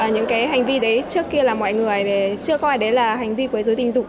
những cái hành vi đấy trước kia là mọi người chưa coi đấy là hành vi quấy dối tình dục